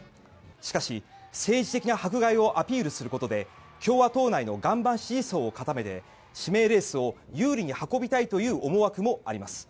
しかし政治的な迫害をアピールすることで共和党内の岩盤支持層を固めて指名レースを有利に運びたいという思惑もあります。